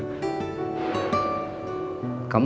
ini saya di kantor